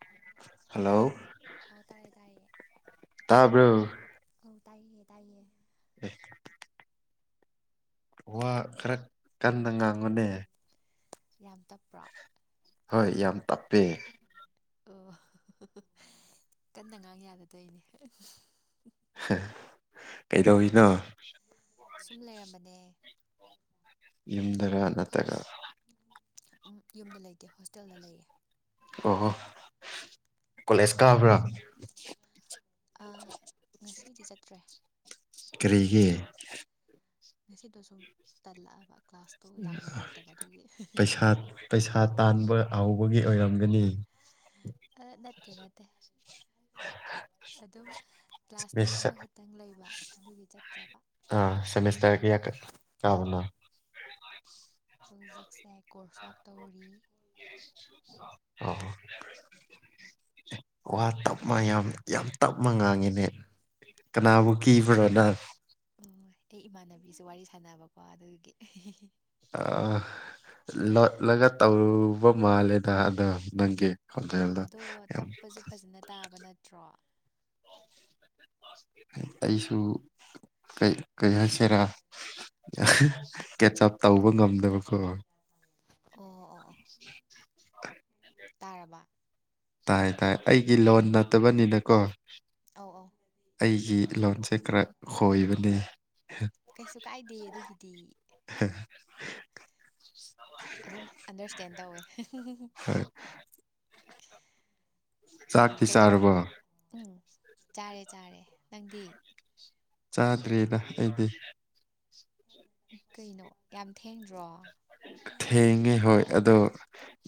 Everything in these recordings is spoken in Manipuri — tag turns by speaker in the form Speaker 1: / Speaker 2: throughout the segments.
Speaker 1: ꯑꯣ
Speaker 2: ꯍꯜꯂꯣ
Speaker 1: ꯇꯥꯕ꯭ꯔꯣ ꯑꯧ ꯇꯥꯔꯦ ꯇꯥꯥꯏꯌꯦ
Speaker 2: ꯇꯥꯕ꯭ꯔꯣ
Speaker 1: ꯑꯧ ꯇꯥꯏꯌꯦ ꯇꯥꯏꯌꯦ
Speaker 2: ꯎꯝ ꯋꯥ ꯈꯔ ꯀꯟꯅ ꯉꯥꯡꯉꯨꯅꯦ
Speaker 1: ꯌꯥꯝ ꯇꯞꯄ꯭ꯔꯥ
Speaker 2: ꯍꯣꯏ ꯌꯥꯝ ꯇꯞꯄꯦ
Speaker 1: ꯑꯣ ꯀꯟꯅ ꯉꯥꯡ ꯌꯥꯗ ꯇꯧꯔꯤꯅꯦ
Speaker 2: ꯀꯩꯗꯧꯔꯤꯅꯣ
Speaker 1: ꯁꯨꯝ ꯂꯩꯔꯝꯕꯅꯦ
Speaker 2: ꯌꯨꯝꯗꯔ ꯅꯠꯇ꯭ꯔꯒ
Speaker 1: ꯌꯨꯝꯗ ꯂꯩꯇꯦ ꯍꯣꯁꯇꯦꯜꯗ ꯂꯩꯌꯦ
Speaker 2: ꯑꯣꯍꯣ ꯀꯣꯂꯦꯖ ꯀꯥꯕ꯭ꯔꯥ
Speaker 1: ꯑꯥ ꯉꯁꯤꯗꯤ ꯆꯠꯇ꯭ꯔꯦ
Speaker 2: ꯀꯔꯤꯒꯤ
Speaker 1: ꯉꯁꯤꯗꯣ ꯁꯨꯝ ꯇꯜꯂꯛꯑꯕ ꯀ꯭ꯂꯥꯁꯇꯣ ꯌꯥꯝꯅ ꯂꯩꯇꯕ ꯑꯗꯨꯒꯤ
Speaker 2: ꯄꯩꯁꯥ ꯄꯩꯁꯥ ꯇꯥꯟꯕ ꯍꯧꯕꯒꯤ ꯑꯣꯏꯔꯝꯒꯅꯤ
Speaker 1: ꯑꯥ ꯅꯠꯇꯦ ꯅꯠꯇꯦ ꯑꯗꯨꯝ ꯀ꯭ꯂꯥꯁ ꯇꯨ
Speaker 2: ꯃꯤꯁ
Speaker 1: ꯑꯃꯈꯛꯇꯪ ꯂꯩꯕ ꯑꯗꯨꯒꯤ ꯆꯠꯇ꯭ꯔꯕ
Speaker 2: ꯑꯥ ꯁꯃꯦꯁꯇꯔ ꯀꯌꯥ ꯀꯕꯥꯅꯣ
Speaker 1: ꯍꯧꯖꯤꯛꯁꯦ ꯀꯣꯔꯁ ꯋꯥꯛ ꯇꯧꯔꯤ
Speaker 2: ꯑꯣ ꯋꯥ
Speaker 1: ꯅꯪ
Speaker 2: ꯇꯞꯅ ꯌꯥꯝ ꯌꯥꯝ ꯇꯞꯅ ꯉꯥꯡꯉꯤꯅꯦ ꯀꯅꯥꯕꯨ ꯀꯤꯕ꯭ꯔꯥ ꯅꯪ
Speaker 1: ꯑꯣꯏ ꯑꯩ ꯏꯃꯥꯟꯅꯕꯤꯁꯨ ꯋꯥꯔꯤ ꯁꯥꯟꯅꯕꯀꯣ ꯑꯗꯨꯒꯤ
Speaker 2: ꯑꯥ ꯂꯣꯠꯂꯒ ꯇꯧꯔꯨꯕ ꯃꯥꯜꯂꯦꯗ ꯑꯗꯣ ꯅꯪꯒꯤ ꯈꯣꯟꯖꯦꯜꯗꯣ
Speaker 1: ꯑꯗꯣ
Speaker 2: ꯌꯥꯝ
Speaker 1: ꯇꯞꯄꯁꯨ ꯐꯖꯅ ꯇꯥꯕ ꯅꯠꯇ꯭ꯔꯣ
Speaker 2: ꯑꯩꯁꯨ ꯀꯩ ꯍꯥꯏꯁꯤꯔꯥ ꯀꯦꯆ ꯑꯞ ꯇꯧꯕ ꯉꯝꯗꯕꯀꯣ
Speaker 1: ꯑꯣ ꯑꯣ
Speaker 2: ꯎ [unintelligible]
Speaker 1: ꯇꯥꯔꯕ
Speaker 2: ꯇꯥꯏ ꯇꯥꯏ ꯑꯩꯒꯤ ꯂꯣꯟ
Speaker 1: ꯎꯝ
Speaker 2: ꯅꯠꯇꯕꯅꯤꯅꯀꯣ
Speaker 1: ꯑꯧ ꯑꯧ
Speaker 2: ꯑꯩꯒꯤ ꯂꯣꯟꯁꯦ ꯈꯔ ꯈꯣꯏꯕꯅꯦ
Speaker 1: ꯀꯩꯁꯨ ꯀꯥꯏꯗꯦ ꯑꯗꯨꯒꯤꯗꯤ
Speaker 2: [inaudible]
Speaker 1: ꯑꯗꯨꯝ ꯑꯟꯗꯔꯁꯇꯦꯟ ꯇꯧꯋꯦ
Speaker 2: ꯍꯣꯏ
Speaker 1: ꯎꯝ
Speaker 2: ꯆꯥꯛꯇꯤ
Speaker 1: ꯀꯩꯗꯧ
Speaker 2: ꯆꯥꯔꯕꯣ
Speaker 1: ꯎꯝ ꯆꯥꯔꯦ ꯆꯥꯔꯦ ꯅꯪꯗꯤ
Speaker 2: ꯆꯥꯗ꯭ꯔꯦꯗ ꯑꯩꯗꯤ
Speaker 1: ꯀꯩꯅꯣ ꯌꯥꯝ ꯊꯦꯡꯗ꯭ꯔꯣ
Speaker 2: ꯊꯦꯡꯉꯦ ꯍꯣꯏ ꯑꯗꯣ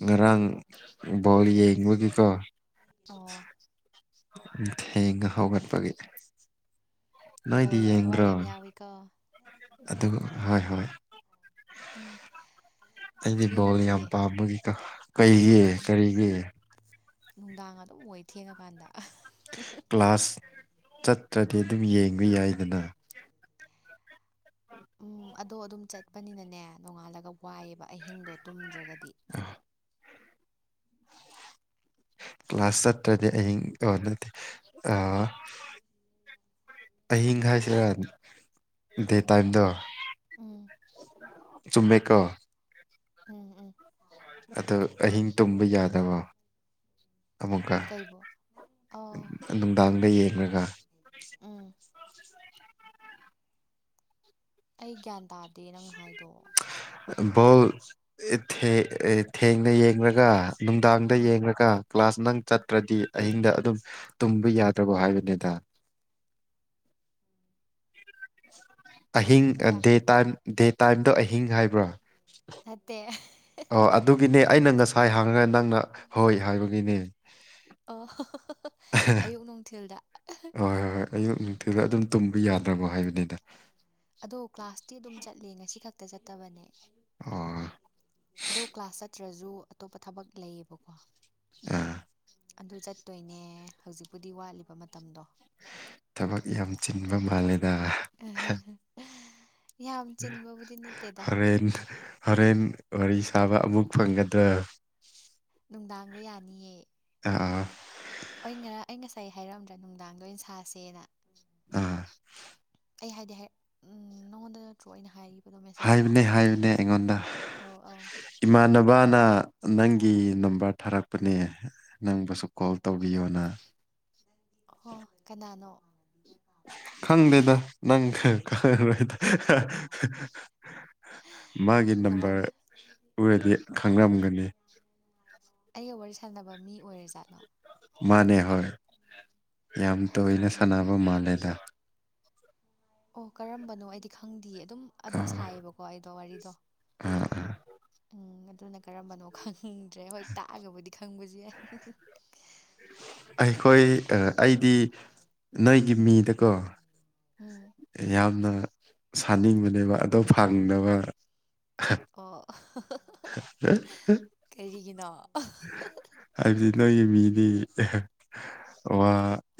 Speaker 2: ꯉꯔꯥꯡ ꯕꯣꯜ ꯌꯦꯡꯕꯒꯤꯀꯣ
Speaker 1: ꯑꯣ
Speaker 2: ꯊꯦꯡꯅ ꯍꯧꯒꯠꯄꯒꯤ ꯅꯣꯏꯗꯤ
Speaker 1: ꯕꯣꯜꯗ ꯊꯋꯥꯏ ꯌꯥꯝ ꯌꯥꯎꯋꯤ ꯀꯣ
Speaker 2: ꯑꯗꯨꯝ ꯍꯣꯏ ꯍꯣꯏ
Speaker 1: ꯎꯝ
Speaker 2: ꯑꯩꯗꯤ ꯕꯣꯜ ꯌꯥꯝ
Speaker 1: ꯌꯦꯡꯗꯤꯌꯦ
Speaker 2: ꯄꯥꯝꯕꯒꯤ ꯀꯩꯒꯤ
Speaker 1: ꯎꯝ
Speaker 2: ꯀꯔꯤꯒꯤ
Speaker 1: ꯅꯨꯡꯗꯥꯡ ꯑꯗꯨꯝ ꯑꯣꯏ ꯊꯦꯡꯉꯀꯥꯟꯗ
Speaker 2: ꯀ꯭ꯂꯥꯁ ꯆꯠꯇ꯭ꯔꯗꯤ ꯑꯗꯨꯝ ꯌꯦꯡꯕ ꯌꯥꯏꯗꯅ
Speaker 1: ꯎꯝ ꯑꯗꯣ ꯑꯗꯨꯝ ꯆꯠꯄꯅꯤꯅꯅꯦ ꯅꯣꯡꯉꯥꯜꯂꯒ ꯋꯥꯏꯑꯦꯕ ꯑꯍꯤꯡꯗꯣ ꯇꯨꯝꯗ꯭ꯔꯒꯗꯤ
Speaker 2: ꯑ
Speaker 1: ꯎꯝ
Speaker 2: ꯀ꯭ꯂꯥꯁ ꯆꯠꯇ꯭ꯔꯗꯤ ꯑꯍꯤꯡ ꯑꯣ ꯅꯗꯦ ꯑꯍꯤꯡ ꯍꯥꯏꯁꯤꯔ ꯗꯦ ꯇꯥꯏꯝꯗꯣ
Speaker 1: ꯎꯝ
Speaker 2: ꯆꯨꯝꯃꯦꯦꯛ
Speaker 1: ꯎꯝ ꯎꯝ
Speaker 2: ꯑꯗ ꯑꯍꯤꯡ ꯇꯨꯝꯕ ꯌꯥꯗꯕꯣ ꯑꯃꯨꯛꯀ
Speaker 1: ꯀꯩꯕꯨ ꯑꯧ
Speaker 2: ꯅꯨꯡꯗꯥꯡꯗ ꯌꯦꯡꯂꯡꯒ
Speaker 1: [unintelligible] ꯑꯩ ꯒ꯭ꯌꯥꯟ ꯇꯥꯗꯦ ꯅꯪꯅ ꯍꯥꯏꯗꯣꯛꯑꯣ
Speaker 2: ꯕꯣꯜ ꯊꯦꯡꯅ ꯌꯦꯡꯒ ꯅꯨꯡꯗꯥꯡꯗ
Speaker 1: ꯎꯝ
Speaker 2: ꯌꯦꯡꯒ ꯀ꯭ꯂꯥꯁ ꯅꯪ ꯆꯠꯇ꯭ꯔꯗꯤ ꯑꯍꯤꯡꯗ ꯑꯗꯨꯝ ꯇꯨꯝꯕ ꯌꯥꯗ꯭ꯔꯕꯣ ꯍꯥꯏꯕꯅꯤꯗ ꯑꯍꯤꯡ
Speaker 1: ꯌꯥ
Speaker 2: ꯗꯦ ꯇꯥꯏꯝ ꯗꯦ ꯇꯥꯏꯝꯗꯣ ꯑꯍꯤꯡ ꯍꯥꯏꯕ꯭ꯔꯥ
Speaker 1: ꯅꯠꯇꯦ
Speaker 2: ꯑꯣ ꯑꯗꯨꯒꯤꯅꯦ ꯑꯩꯅ ꯉꯁꯥꯏ ꯍꯥꯡꯉꯒ ꯅꯪꯅ ꯍꯣꯏ ꯍꯥꯏꯕꯒꯤꯅꯦ
Speaker 1: ꯑꯣ ꯑꯌꯨꯛ ꯅꯨꯡꯊꯤꯜꯗ
Speaker 2: ꯍꯣꯏ ꯍꯣꯏ ꯍꯣꯏ ꯑꯌꯨꯛ ꯅꯨꯡꯊꯤꯗ ꯑꯗꯨꯝ ꯇꯨꯝꯕ ꯌꯥꯗ꯭ꯔꯕꯣ ꯍꯥꯏꯕꯅꯤꯅ
Speaker 1: ꯑꯗꯣ ꯀ꯭ꯂꯥꯁꯇꯤ ꯑꯗꯨꯝ ꯆꯠꯂꯦ ꯉꯁꯤ ꯈꯛꯇ ꯆꯠꯇꯕꯅꯦ
Speaker 2: ꯑꯣ
Speaker 1: ꯑꯗꯣ ꯀ꯭ꯂꯥꯁ ꯆꯠꯇ꯭ꯔꯁꯨ ꯑꯇꯣꯞꯄ ꯊꯕꯛ ꯂꯩꯌꯦꯕꯀꯣ
Speaker 2: ꯑ
Speaker 1: ꯑꯗꯨ ꯆꯠꯇꯣꯏꯅꯦ ꯍꯧꯖꯤꯛꯄꯨꯗꯤ ꯋꯥꯠꯂꯤꯕ ꯃꯇꯝꯗꯣ
Speaker 2: ꯊꯕꯛ ꯌꯥꯝ ꯆꯤꯟꯕ ꯃꯥꯜꯂꯦꯗ
Speaker 1: ꯑ ꯌꯥꯝ ꯆꯤꯟꯕꯕꯨꯗꯤ ꯅꯠꯇꯦꯗ
Speaker 2: ꯍꯦꯟ ꯍꯣꯔꯦꯟ ꯋꯥꯔꯤ ꯁꯥꯕ ꯑꯃꯨꯛ ꯐꯪꯒꯗ꯭ꯔꯥ
Speaker 1: ꯅꯨꯡꯗꯥꯡꯗ ꯌꯥꯅꯤꯌꯦ
Speaker 2: ꯑꯥ [unintelligible] [inaudible]
Speaker 1: ꯑꯩ ꯉꯔꯥꯡ ꯑꯩ ꯉꯁꯥꯏ ꯍꯥꯏꯔꯝꯗ꯭ꯔꯥ ꯅꯨꯡꯗꯥꯡꯗ ꯑꯣꯏꯅ ꯁꯥꯁꯦꯅ
Speaker 2: ꯑꯥ [unintelligible] [inaudible]
Speaker 1: ꯑꯩ ꯍꯥꯏꯗꯤ ꯍꯥꯏ ꯅꯪꯉꯣꯟꯗ ꯅꯠꯇ꯭ꯔꯣ ꯑꯣꯏꯅ ꯍꯥꯏꯈꯤꯕꯗꯣ ꯃꯦꯁꯦꯁꯇ ꯑ
Speaker 2: ꯍꯥꯏꯕꯅꯦ ꯍꯥꯏꯕꯅꯦ ꯑꯩꯉꯣꯟꯗ
Speaker 1: ꯑꯧ
Speaker 2: ꯏꯃꯥꯟꯅꯕꯅ ꯅꯪꯒꯤ ꯅꯝꯕꯔ ꯊꯥꯔꯛꯄꯅꯦ ꯅꯪꯕꯨꯁꯨ ꯀꯣꯜ ꯇꯧꯕꯤꯌꯣꯅ
Speaker 1: ꯍꯣ ꯀꯅꯥꯅꯣ
Speaker 2: ꯈꯪꯗꯦꯗ ꯅꯪꯗ ꯃꯥꯒꯤ
Speaker 1: ꯅꯃꯥꯟ
Speaker 2: ꯅꯝꯕꯔ ꯑꯣꯏꯔꯗꯤ ꯈꯪꯔꯝꯒꯅꯤ
Speaker 1: ꯑꯩꯒ ꯋꯥꯔꯤ ꯁꯥꯟꯅꯕ ꯃꯤ ꯑꯣꯏꯔꯦ ꯖꯥꯠꯂꯣ
Speaker 2: ꯃꯥꯅꯦ ꯍꯣꯏ ꯌꯥꯝ ꯇꯣꯏꯅ
Speaker 1: ꯑꯣ
Speaker 2: ꯁꯥꯟꯅꯕ ꯃꯥꯜꯂꯦꯗ
Speaker 1: ꯑꯣ ꯀꯔꯝꯕꯅꯣ ꯑꯩꯗꯤ ꯈꯪꯗꯦ ꯑꯗꯨꯝ ꯑꯗꯨꯝ ꯁꯥꯏꯌꯦꯕꯀꯣ ꯑꯩꯗꯣ ꯋꯥꯔꯤꯗꯣ
Speaker 2: ꯑ
Speaker 1: ꯎꯝ ꯑꯗꯨꯅ ꯀꯔꯝꯕꯅꯣ ꯈꯪꯗ꯭ꯔꯦ ꯍꯣꯏ ꯇꯥꯛꯑꯒꯕꯨꯗꯤ ꯈꯪꯕꯁꯨ ꯌꯥꯏ
Speaker 2: ꯑꯩꯈꯣꯏ ꯑꯩꯗꯤ ꯅꯣꯏꯒꯤ ꯃꯤꯗꯀꯣ
Speaker 1: ꯎꯝ
Speaker 2: ꯌꯥꯝꯅ ꯁꯥꯅꯤꯡꯕꯅꯦꯕ ꯑꯗꯣ ꯐꯪꯅꯕ
Speaker 1: ꯑꯣ ꯀꯔꯤꯒꯤꯅꯣ
Speaker 2: ꯍꯥꯏꯕꯗꯤ ꯅꯣꯏꯒꯤ ꯃꯤꯗꯤ ꯋꯥ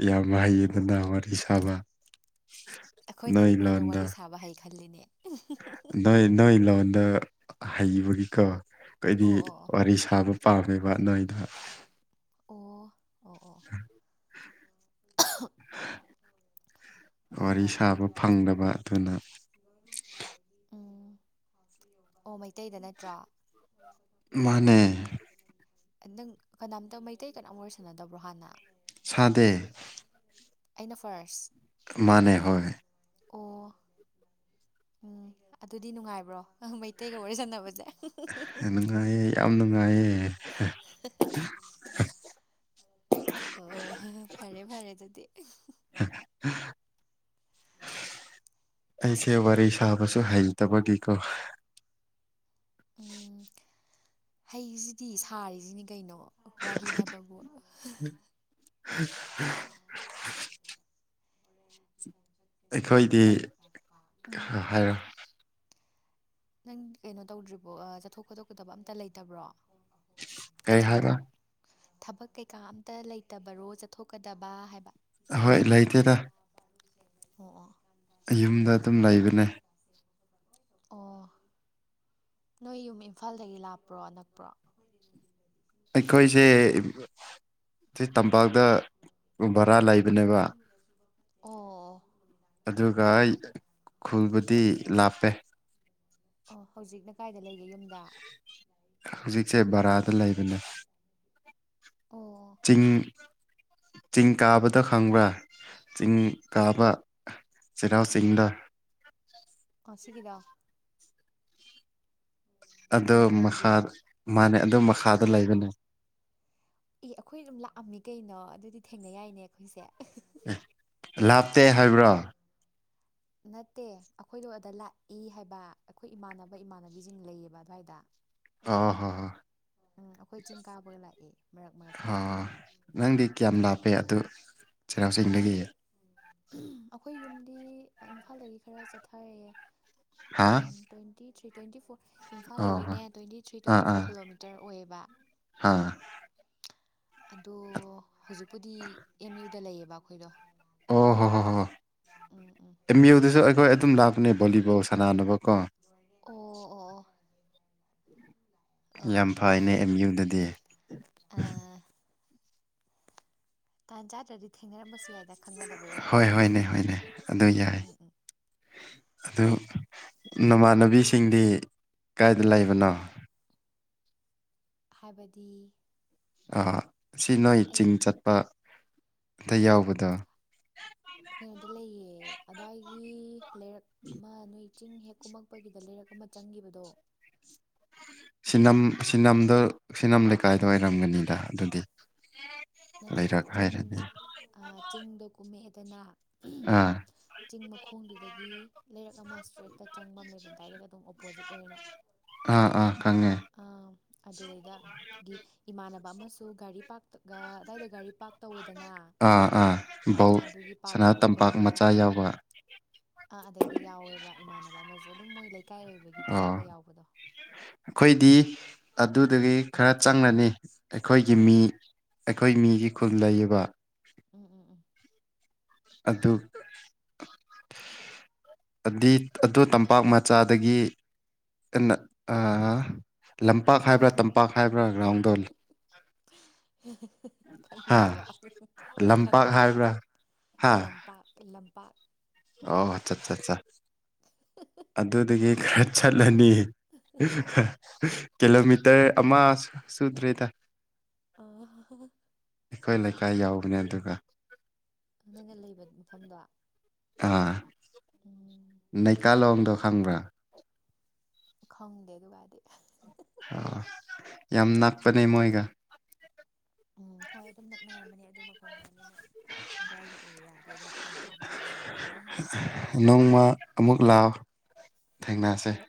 Speaker 2: ꯌꯥꯝ ꯍꯩꯌꯦꯗꯅ ꯋꯥꯔꯤ ꯁꯥꯕ
Speaker 1: ꯑꯩꯈꯣꯏꯅꯗꯤ
Speaker 2: ꯅꯣꯏ
Speaker 1: ꯅꯣꯏꯗ
Speaker 2: ꯂꯣꯟꯗ
Speaker 1: ꯋꯥꯔꯤ ꯁꯥꯕ ꯍꯥꯏꯩ ꯈꯜꯂꯤꯅꯦ
Speaker 2: ꯅꯣꯏ ꯅꯣꯏ ꯂꯣꯟꯗ ꯍꯩꯕꯒꯤꯀꯣ ꯀꯩꯗꯤ
Speaker 1: ꯑꯣ ꯑꯣ
Speaker 2: ꯋꯥꯔꯤ ꯁꯥꯕ ꯄꯥꯝꯃꯦꯕ ꯅꯣꯏꯩꯅ
Speaker 1: ꯑꯣ ꯑꯣ ꯑꯣ [unintelligible] [inaudible]
Speaker 2: [inaudible]
Speaker 1: ꯍꯣꯏ
Speaker 2: ꯋꯥꯔꯤ
Speaker 1: ꯍꯣꯏ
Speaker 2: ꯁꯥꯕ ꯐꯪꯗꯕ ꯑꯗꯨꯅ
Speaker 1: ꯎꯝ ꯑꯣ ꯃꯩꯇꯩꯗ ꯅꯠꯇ꯭ꯔꯣ
Speaker 2: ꯃꯥꯅꯦ
Speaker 1: ꯅꯪ ꯀꯅꯥꯝꯇ ꯃꯩꯇꯩ ꯀꯅꯥꯝ ꯑꯣꯏ ꯁꯥꯟꯅꯗꯕ꯭ꯔꯣ ꯍꯥꯟꯅ
Speaker 2: ꯁꯥꯗꯦ
Speaker 1: ꯑꯩꯅ ꯐꯥꯔꯁ
Speaker 2: ꯃꯥꯅꯦ ꯍꯣꯏ
Speaker 1: ꯑꯣ ꯎꯝ ꯑꯗꯨꯗꯤ ꯅꯨꯡꯉꯥꯏꯕ꯭ꯔꯣꯪ ꯃꯩꯇꯩꯒ ꯋꯥꯔꯤ ꯁꯥꯟꯅꯕꯁꯦ
Speaker 2: ꯅꯨꯡꯉꯥꯏꯌꯦ ꯌꯥꯝ ꯅꯨꯡꯉꯥꯏꯌꯦ
Speaker 1: [unintelligible] ꯑꯣ ꯐꯔꯦ ꯐꯔꯦ ꯑꯗꯨꯗꯤ
Speaker 2: [inaudible] ꯑꯩꯁꯦ ꯋꯥꯔꯤ ꯁꯥꯕꯁꯨ ꯍꯩꯇꯕꯒꯤꯀꯣ
Speaker 1: ꯎꯝ ꯍꯩꯁꯤꯗꯤ ꯁꯥꯔꯤꯁꯤꯅꯤ ꯀꯩꯅꯣ ꯋꯥꯔꯤ ꯍꯥꯏꯕꯕꯨ
Speaker 2: ꯑꯩꯈꯣꯏꯗꯤ
Speaker 1: ꯅꯪ ꯎꯝ
Speaker 2: ꯑ ꯍꯥꯏꯔꯣ
Speaker 1: ꯅꯪ ꯀꯩꯅꯣ ꯇꯧꯗ꯭ꯔꯤꯕꯣ ꯆꯠꯊꯣꯛ ꯈꯣꯠꯇꯣꯛꯀꯗꯕ ꯑꯝꯇ ꯂꯩꯇꯕ꯭ꯔꯣ
Speaker 2: ꯀꯩ
Speaker 1: ꯊꯕꯛ
Speaker 2: ꯍꯥꯏꯕ
Speaker 1: ꯊꯕꯛ ꯀꯩꯀꯥ ꯑꯝꯇ ꯂꯩꯇꯕꯔꯣ ꯆꯠꯊꯣꯛꯀꯗꯕ ꯍꯥꯏꯕ
Speaker 2: ꯑꯍꯣꯏ ꯂꯩꯇꯦꯗ
Speaker 1: ꯑꯣ ꯑꯣ
Speaker 2: ꯌꯨꯝꯗ ꯑꯗꯨꯝ ꯂꯩꯕꯅꯦ
Speaker 1: ꯑꯣ ꯅꯣꯏ ꯌꯨꯝ ꯏꯝꯐꯥꯜꯗꯒꯤ ꯂꯥꯛꯄ꯭ꯔꯣ ꯑꯅꯛꯄ꯭ꯔꯣ
Speaker 2: ꯑꯩꯈꯣꯏꯁꯦ ꯁꯤ ꯇꯝꯄꯥꯛꯇ ꯕꯔꯥ ꯂꯩꯕꯅꯦꯕ
Speaker 1: ꯑꯣ
Speaker 2: ꯑꯗꯨꯒ ꯑꯩ ꯈꯨꯜꯕꯨꯗꯤ ꯂꯥꯞꯄꯦ
Speaker 1: ꯑꯣ ꯍꯧꯖꯤꯛꯅ ꯀꯥꯏꯗ ꯂꯩꯒꯦ ꯌꯨꯝꯗ
Speaker 2: ꯍꯧꯖꯤꯛꯁꯦ ꯕꯔꯥꯗ ꯂꯩꯕꯅꯦ
Speaker 1: ꯑꯣ
Speaker 2: ꯆꯤꯡ ꯆꯤꯡ ꯀꯥꯕꯗ ꯈꯪꯕ꯭ꯔꯥ ꯆꯤꯡ
Speaker 1: ꯎꯝ
Speaker 2: ꯀꯥꯕ ꯆꯆꯍꯥꯎꯎꯁꯤꯡꯗ
Speaker 1: ꯑ ꯁꯤ ꯀꯗ
Speaker 2: ꯑꯗꯨ ꯃꯈꯥ
Speaker 1: ꯊꯥꯡꯃꯩꯕꯟꯒꯤ
Speaker 2: ꯃꯥꯅꯦ ꯑꯗꯨ ꯃꯈꯥꯗ ꯂꯩꯕꯅꯦ
Speaker 1: ꯑꯦ ꯑꯩꯈꯣꯏ ꯑꯗꯨꯝ ꯂꯥꯛꯑꯝꯃꯤ ꯀꯩꯅꯣ ꯑꯗꯨꯗꯤ ꯊꯦꯡꯅ ꯌꯥꯏꯅꯦ ꯑꯩꯈꯣꯏꯁꯦ
Speaker 2: ꯑꯦ ꯂꯥꯞꯇꯦ ꯍꯥꯏꯕ꯭ꯔꯣ
Speaker 1: ꯅꯠꯇꯦ ꯑꯩꯈꯣꯏꯗꯣ ꯑꯗ ꯂꯥꯛꯏ ꯍꯥꯏꯕ ꯑꯩꯈꯣꯏ ꯏꯃꯥꯟꯅꯕ ꯏꯃꯥꯟꯅꯕꯤꯁꯤꯡ ꯂꯩꯌꯦꯕ ꯑꯗꯨꯋꯥꯏꯗ
Speaker 2: ꯑ ꯍꯣ
Speaker 1: ꯎꯝ ꯑꯩꯈꯣꯏ ꯆꯤꯡ ꯀꯥꯕꯒ ꯂꯥꯛꯑꯦ ꯃꯔꯛ ꯃꯔꯛꯇ
Speaker 2: ꯍ ꯅꯪꯗꯤ ꯀꯌꯥꯝ ꯂꯥꯞꯄꯦ ꯑꯗꯨ ꯆꯩꯔꯥꯎ ꯆꯤꯡꯗꯒꯤ
Speaker 1: ꯑꯩꯈꯣꯏꯗꯤ ꯑꯩꯈꯣꯏ ꯌꯨꯝꯗꯤ ꯏꯝꯐꯥꯜꯗꯒꯤ ꯈꯔ ꯆꯠꯊꯔꯛꯑꯦ
Speaker 2: ꯍꯥ
Speaker 1: ꯎꯝ ꯇ꯭ꯋꯦꯟꯇꯤ ꯊ꯭ꯔꯤ ꯇ꯭ꯋꯦꯟꯇꯤ ꯐꯣꯔ
Speaker 2: ꯑꯣ ꯍꯣ
Speaker 1: ꯏꯝꯐꯥꯜꯗꯒꯤꯅꯦ twenty three twenty four kilometre ꯇꯔ ꯑꯣꯏꯌꯦꯕ
Speaker 2: ꯍꯥꯥ
Speaker 1: ꯑꯗꯣ ꯍꯧꯖꯤꯛꯄꯨꯗꯤ ꯑꯦꯝ ꯌꯨꯗ ꯂꯩꯌꯦꯕ ꯑꯩꯈꯣꯏꯗꯣ
Speaker 2: ꯑꯣ ꯍꯣꯏ ꯍꯣꯏ ꯍꯣꯏ
Speaker 1: ꯎꯝ ꯎꯝ
Speaker 2: ꯑꯦꯝ ꯌꯨꯗꯁꯨ ꯑꯩꯈꯣꯏ ꯑꯗꯨꯝ ꯂꯥꯛꯄꯅꯦ ꯕꯣꯂꯤꯕꯣꯜ ꯁꯥꯟꯅꯅꯕꯀꯣ
Speaker 1: ꯑꯣ ꯑꯣ ꯑꯣ ꯑꯣ ꯑꯣ
Speaker 2: ꯌꯥꯝ ꯐꯩꯅꯦ ꯑꯦꯝ
Speaker 1: [unintelligible]
Speaker 2: ꯌꯨꯗꯗꯤ
Speaker 1: ꯑꯥ ꯇꯥꯟ ꯆꯥꯗ꯭ꯔꯗꯤ ꯊꯦꯡꯅꯔꯝꯕꯁꯨ ꯌꯥꯏꯗ ꯈꯪꯅꯗꯕꯩ
Speaker 2: ꯍꯣꯏ ꯍꯣꯏꯅꯦ ꯍꯣꯏꯅꯦ ꯑꯗꯨ ꯌꯥꯏ
Speaker 1: ꯑꯣꯏꯔꯝꯅꯤ [unintelligible]
Speaker 2: ꯑꯗꯨ ꯅꯃꯥꯟꯅꯕꯤꯁꯤꯡꯗꯤ ꯀꯥꯏꯗ ꯂꯩꯕꯅꯣ
Speaker 1: ꯍꯥꯏꯕꯗꯤ
Speaker 2: ꯁꯤ ꯅꯣꯏ
Speaker 1: ꯑꯩ
Speaker 2: ꯆꯤꯡ ꯆꯠꯄ ꯑꯗ
Speaker 1: ꯑꯣ
Speaker 2: ꯌꯥꯎꯕꯗꯣ
Speaker 1: ꯀꯩꯅꯣꯗ ꯂꯩꯌꯦ ꯑꯗꯥꯏꯒꯤ ꯂꯩꯔꯛ ꯑꯃ ꯅꯣꯏ ꯆꯤꯡ ꯍꯦꯛ ꯀꯨꯝꯃꯛꯄꯒꯤꯗ ꯂꯩꯔꯛ ꯑꯃ ꯆꯪꯈꯤꯕꯗꯣ
Speaker 2: ꯁꯤꯅꯝ ꯁꯤꯅꯝꯗ ꯁꯤꯅꯝ ꯂꯩꯀꯥꯏꯗ ꯑꯣꯏꯔꯝꯒꯅꯤꯗ ꯑꯗꯨꯗꯤ
Speaker 1: ꯅꯠꯇꯦꯗ‌ꯦ
Speaker 2: ꯂꯩꯔꯛ
Speaker 1: ꯆꯤꯡ
Speaker 2: ꯍꯥꯏꯔꯗꯤ
Speaker 1: ꯑꯥ ꯆꯤꯡꯗꯣ ꯀꯨꯝꯃꯛꯑꯦꯗꯅ
Speaker 2: ꯑꯥ
Speaker 1: ꯆꯤꯡ ꯃꯈꯣꯡꯗꯨꯗꯒꯤ ꯂꯩꯔꯛ ꯑꯃ ꯏꯁꯇ꯭ꯔꯦꯠꯇ ꯆꯪꯕ ꯑꯃ ꯂꯩꯕꯅꯤ ꯗꯥꯏꯔꯦꯛ ꯑꯗꯨꯝ ꯑꯣꯄꯣꯖꯤꯠ ꯑꯣꯏꯅ
Speaker 2: ꯑꯥ ꯑꯥ ꯈꯪꯉꯦ
Speaker 1: ꯑꯥ ꯑꯗꯨꯗꯩꯗꯒꯤ ꯏꯃꯥꯟꯅꯕ ꯑꯃꯁꯨ ꯒꯥꯔꯤ ꯄꯥ꯭ꯔꯛ ꯑꯗꯥꯏꯗ ꯒꯥꯔꯤ ꯄꯥꯔꯛ ꯇꯧꯋꯦꯗꯅ
Speaker 2: ꯑꯥ ꯑꯥ
Speaker 1: ꯑꯥ
Speaker 2: ꯕꯧ
Speaker 1: ꯑꯗꯨꯒꯤ ꯄꯥꯔꯛ
Speaker 2: ꯁꯅꯥ ꯇꯝꯄꯥꯛ
Speaker 1: ꯇꯧꯕꯗ
Speaker 2: ꯃꯆꯥ ꯌꯥꯎꯕ
Speaker 1: ꯑꯥ ꯑꯗꯩꯗ ꯌꯥꯎꯋꯦꯕ ꯏꯃꯥꯟꯅꯕ ꯑꯃꯖꯨ ꯑꯗꯨꯝ ꯃꯣꯏ ꯂꯩꯀꯥꯏ ꯑꯣꯏꯕꯒꯤ
Speaker 2: ꯑꯣ
Speaker 1: ꯊꯣꯛꯑꯒ ꯌꯥꯎꯕꯗꯣ
Speaker 2: ꯑꯩꯈꯣꯏꯗꯤ ꯑꯗꯨꯗꯒꯤ ꯈꯔ ꯆꯪꯂꯅꯤ ꯑꯩꯈꯣꯏꯒꯤ
Speaker 1: ꯑꯥ
Speaker 2: ꯃꯤ ꯑꯩꯈꯣꯏ ꯃꯤꯒꯤ ꯈꯨꯜ ꯂꯩꯌ‌ꯦꯕꯥ
Speaker 1: ꯎꯝ ꯎꯝ ꯎꯝ
Speaker 2: ꯑꯗꯨ ꯑꯗꯤ ꯑꯗꯨ ꯇꯝꯄꯥꯛ ꯃꯆꯥꯗꯒꯤ ꯑꯥ ꯂꯝꯄꯥꯛ ꯍꯥꯏꯕ꯭ꯔꯥ ꯇꯝꯄꯥꯛ ꯍꯥꯏꯕ꯭ꯔꯥ ꯒ꯭ꯔꯥꯎꯟꯗꯣ
Speaker 1: [unintelligible] ꯈꯪꯗ꯭ꯔꯕꯣ
Speaker 2: ꯍꯥ
Speaker 1: ꯅꯪ
Speaker 2: ꯂꯝꯄꯥꯛ
Speaker 1: ꯈꯪꯗ꯭ꯔꯕꯣ
Speaker 2: ꯍꯥꯏꯕ꯭ꯔꯥ ꯍꯥ
Speaker 1: ꯂꯝꯄꯥꯛ ꯂꯝꯄꯥꯛ
Speaker 2: ꯑꯣ ꯑꯆꯥꯆꯥ ꯑꯗꯨꯗꯒꯤ ꯈꯔ ꯆꯠꯂꯅꯤ ꯀꯤꯂꯣꯃꯤꯇꯔ ꯑꯃ ꯁꯨꯗ꯭ꯔꯦꯗ
Speaker 1: [unintelligible]
Speaker 2: ꯑꯩꯈꯣꯏ ꯂꯩꯀꯥꯏ ꯌꯥꯎꯕꯅꯦ ꯑꯗꯨꯒ
Speaker 1: ꯅꯣꯏꯅ ꯂꯩꯕ ꯃꯐꯝꯗꯣ
Speaker 2: ꯑꯥ
Speaker 1: ꯎꯝ
Speaker 2: ꯅꯩꯀꯥꯂꯣꯡꯗꯣ ꯈꯪꯕ꯭ꯔꯥ
Speaker 1: ꯈꯪꯗꯦ ꯑꯗꯨꯒꯗꯤ
Speaker 2: ꯑ ꯌꯥꯝ ꯅꯛꯄꯅꯦ ꯃꯣꯏꯒ
Speaker 1: ꯎꯝ ꯍꯣꯏ ꯑꯗꯨꯝ ꯅꯛꯅꯔꯝꯕꯅꯦ ꯑꯗꯨ ꯃꯈꯣꯡ ꯍꯥꯏꯕꯅꯤꯅ ꯑꯗꯨꯋꯥꯏꯒꯤ ꯑꯦꯔꯤꯌꯥꯗꯤ ꯑꯗꯨꯝ ꯑꯣꯏꯕꯕꯨꯗꯤ ꯑꯣꯏꯔꯝꯃꯅꯤ
Speaker 2: ꯅꯣꯡꯃ ꯑꯃꯨꯛ ꯂꯥꯛꯑꯣ ꯊꯦꯡꯅꯁꯦ
Speaker 1: ꯍꯣꯏ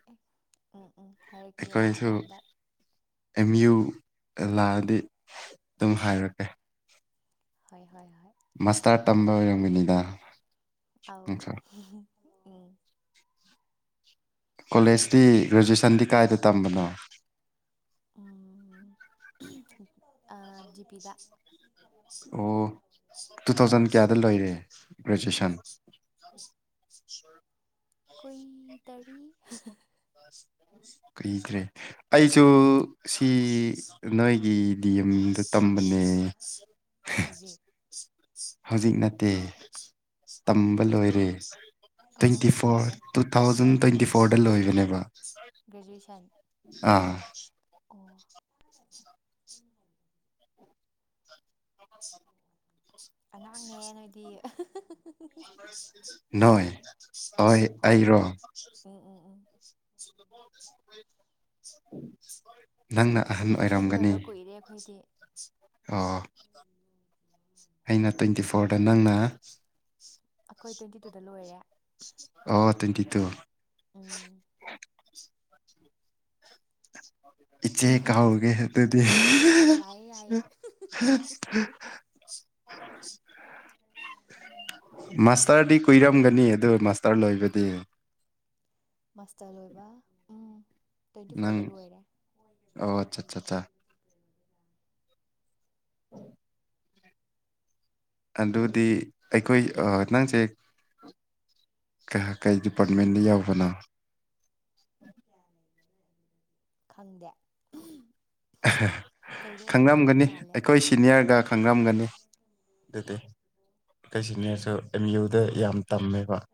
Speaker 1: ꯎꯝ ꯎꯝ ꯍꯥꯏꯔꯛꯀꯦ
Speaker 2: ꯑꯩꯈꯣꯏꯁꯨ
Speaker 1: ꯂꯥꯛꯑꯀꯥꯟꯗ
Speaker 2: ꯑꯦꯝ ꯌꯨꯗ ꯂꯥꯛꯑꯗꯤ ꯑꯗꯨꯝ ꯍꯥꯏꯔꯛꯀꯦ
Speaker 1: ꯍꯣꯏ ꯍꯣꯏ ꯍꯣꯏ
Speaker 2: ꯃꯁꯇꯥꯔ ꯇꯝꯕ ꯑꯣꯏꯔꯝꯒꯅꯤꯗ
Speaker 1: ꯑꯥꯎ
Speaker 2: ꯅꯪꯁꯨ
Speaker 1: [unintelligible] ꯎꯝ
Speaker 2: ꯀꯣꯂꯦꯖꯇꯤ ꯒ꯭ꯔꯦꯖꯨꯑꯦꯁꯟꯗꯤ ꯀꯥꯏꯗ ꯇꯝꯕꯅꯣ
Speaker 1: ꯎꯝ ꯑꯥ ꯖꯤ ꯄꯤꯗ
Speaker 2: ꯑꯣ ꯇꯨ ꯊꯥꯎꯖꯟ ꯀꯌꯥꯗ ꯂꯣꯏꯔꯦ ꯒ꯭ꯔꯦꯖꯨꯑꯦꯁꯟ
Speaker 1: ꯀꯨꯏꯗꯔꯤ
Speaker 2: [inaudible] ꯀꯨꯏꯗ꯭ꯔꯦ ꯑꯩꯁꯨ
Speaker 1: ꯎꯝ
Speaker 2: ꯁꯤ ꯅꯣꯏꯒꯤ ꯗꯤ ꯑꯦꯝꯌꯨꯗ ꯇꯝꯕꯅꯦ
Speaker 1: ꯍꯧꯖꯤꯛ
Speaker 2: ꯍꯧꯖꯤꯛ ꯅꯠꯇꯦ ꯇꯝꯕ
Speaker 1: ꯍꯧꯖꯤꯛ
Speaker 2: ꯂꯣꯏꯔꯦ
Speaker 1: ꯀꯩꯗꯧ ꯑꯣ
Speaker 2: ꯇ꯭ꯋꯦꯟꯇꯤ ꯐꯣꯔ
Speaker 1: ꯍꯧꯖꯤꯛꯅ
Speaker 2: ꯇꯨ ꯇꯨ ꯊꯥꯎꯖꯟ ꯇ꯭ꯋꯦꯟꯇꯤ ꯐꯣꯔꯗ ꯂꯣꯏꯕꯅꯦꯕ
Speaker 1: ꯒꯦꯖꯨꯌꯦꯁꯟ
Speaker 2: ꯑꯥ
Speaker 1: ꯑꯣ ꯑꯉꯥꯡꯅꯦ ꯅꯣꯏꯗꯤ
Speaker 2: ꯅꯣꯏ ꯍꯣꯏ ꯑꯩꯔꯣ
Speaker 1: ꯑꯝ ꯑꯝ ꯑꯝ
Speaker 2: ꯅꯪꯅ ꯑꯍꯟ
Speaker 1: ꯒ꯭ꯔꯦꯖꯨꯑꯦꯁꯟ
Speaker 2: ꯑꯣꯏꯔꯝꯒꯅꯤ
Speaker 1: ꯂꯣꯏꯕ ꯀꯨꯏꯔꯦ ꯑꯩꯈꯣꯏꯗꯤ
Speaker 2: ꯑꯣ ꯑꯩꯅ ꯇ꯭ꯋꯦꯟꯇꯤ ꯐꯣꯔꯗ ꯅꯪꯅ
Speaker 1: ꯑꯩꯈꯣꯏ ꯇ꯭ꯋꯦꯟꯇꯤ ꯇꯨꯗ ꯂꯣꯏꯔꯦ
Speaker 2: ꯑꯣ ꯇ꯭ꯋꯦꯟꯇꯤ ꯇꯨ
Speaker 1: ꯎꯝ
Speaker 2: ꯏꯆꯦ ꯀꯥꯎꯒꯦ ꯑꯗꯨꯗꯤ ꯍ [inaudible]
Speaker 1: ꯌꯥꯏꯌꯦ ꯌꯥꯏꯌꯦ ꯌ [unintelligible]
Speaker 2: ꯃꯥꯁꯇꯔꯗꯤ ꯀꯨꯏꯔꯝꯒꯅꯤ ꯑꯗꯨ ꯃꯥꯁꯇꯔ ꯂꯣꯏꯕꯗꯤ
Speaker 1: ꯃꯥꯁꯇꯔ ꯂꯣꯏꯕ ꯎꯝ ꯇ꯭ꯋꯦꯟꯇꯤ
Speaker 2: ꯅꯪ
Speaker 1: ꯐꯣꯔꯗ ꯂꯣꯏꯔꯦ
Speaker 2: ꯑꯣ ꯑꯆꯥꯠ ꯆꯥ ꯎꯝ [inaudible] ꯑꯗꯨꯗꯤ ꯑꯩꯈꯣꯏ ꯅꯪꯁꯦ ꯀꯌꯥ ꯀꯩ ꯗꯤꯄꯥꯔꯠꯃꯦꯟꯗ ꯌꯥꯎꯕꯅꯣ
Speaker 1: ꯈꯪꯗꯦ ꯀꯩꯗ ꯑꯣꯏꯔꯝꯗꯧ
Speaker 2: ꯈꯪꯔꯝꯒꯅꯤ
Speaker 1: ꯃꯥꯜꯂꯦ
Speaker 2: ꯑꯩꯈꯣꯏ ꯁꯤꯅꯤꯌꯔꯒ ꯈꯪꯔꯝꯒꯅꯤ ꯑꯗꯨꯗꯤ ꯈꯣꯢ ꯁꯤꯅꯦꯔꯁꯨ
Speaker 1: ꯎꯝ
Speaker 2: ꯑꯦꯝ ꯌꯨꯗ ꯌꯥꯝ ꯇꯝꯃꯦꯕ [inaudible]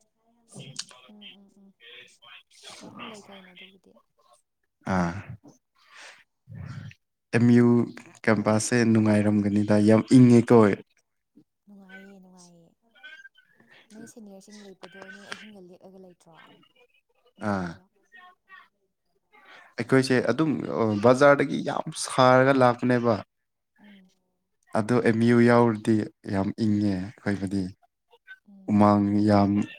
Speaker 1: ꯎꯝ ꯎꯝ ꯎꯝ ꯃꯌꯥꯝ ꯂꯩ ꯀꯩꯅꯣ ꯑꯗꯨꯕꯨꯗꯤ
Speaker 2: ꯑꯥ ꯑꯦꯝ ꯌꯨ ꯀꯦꯝꯄꯥꯁꯁꯦ ꯅꯨꯡꯉꯥꯏꯔꯝꯒꯅꯤꯗ ꯌꯥꯝ ꯏꯪꯉꯦ ꯀꯣ
Speaker 1: ꯅꯨꯡꯉꯥꯏꯌꯦ ꯅꯨꯡꯉꯥꯏꯌꯦ ꯅꯣꯏ ꯁꯦꯅꯤꯌꯔꯁꯤꯡ ꯂꯩꯕꯗꯣ ꯅꯣꯏ ꯑꯍꯤꯡꯒ ꯂꯦꯛꯑꯒ ꯂꯩꯇ꯭ꯔꯣ ꯅꯣꯡ
Speaker 2: ꯑꯥ
Speaker 1: ꯐꯥꯗꯣꯛ
Speaker 2: ꯑꯩꯈꯣꯏꯁꯦ ꯑꯗꯨꯝ ꯕꯖꯥꯔꯗꯒꯤ ꯌꯥꯝ ꯁꯥꯔꯒ ꯂꯥꯛꯄꯅꯦꯕ
Speaker 1: ꯎꯝ
Speaker 2: ꯑꯗꯣ ꯑꯦꯝ ꯌꯨ ꯌꯥꯎꯔꯗꯤ ꯌꯥꯝ ꯏꯪꯉꯦ ꯑꯩꯈꯣꯏꯕꯨꯗꯤ
Speaker 1: ꯎꯝ
Speaker 2: ꯎꯃꯥꯡ
Speaker 1: ꯍꯣꯏ
Speaker 2: ꯌꯥꯝ
Speaker 1: ꯅꯨꯡꯉꯥꯏꯕꯅꯦ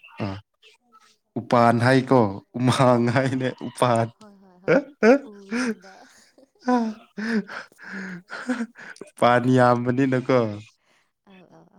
Speaker 2: ꯎꯄꯥꯟ ꯍꯥꯏꯀꯣ ꯎꯃꯥꯡ ꯍꯥꯏꯅꯦ ꯎꯄꯥꯟ
Speaker 1: ꯍꯣꯏ ꯍꯣꯏ ꯍꯣꯏ ꯎꯁꯤꯡꯗ
Speaker 2: ꯎꯄꯥꯜ ꯌꯥꯝꯕꯅꯤꯅꯀꯣ
Speaker 1: ꯑꯥꯎ ꯑꯥꯎ ꯑꯥꯎ